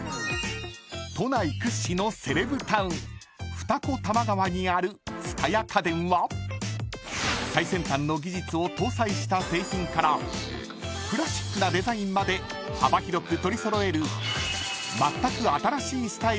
［都内屈指のセレブタウン二子玉川にある蔦屋家電は最先端の技術を搭載した製品からクラシックなデザインまで幅広く取り揃える］